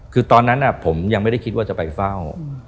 คือตอนนั้นผมยังไม่ได้คิดว่าจะไปเฝ้า